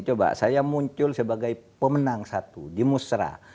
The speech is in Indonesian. coba saya muncul sebagai pemenang satu di musra